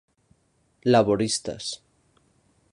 Laboristas.